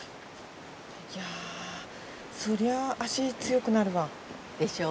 いやそりゃ脚強くなるわ。でしょう？